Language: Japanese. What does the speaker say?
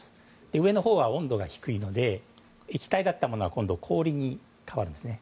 上のほうは温度が低いので液体だったものが氷に変わるんです。